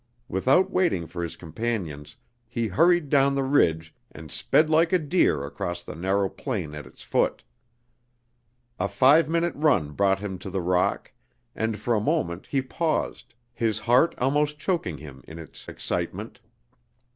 Without waiting for his companions he hurried down the ridge and sped like a deer across the narrow plain at its foot. A five minute run brought him to the rock, and for a moment he paused, his heart almost choking him in its excitement.